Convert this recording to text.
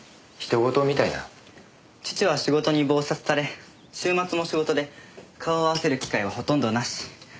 父は仕事に忙殺され週末も仕事で顔を合わせる機会はほとんどなし。